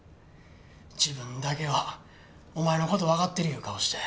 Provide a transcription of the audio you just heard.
自分だけはお前の事わかってるいう顔して。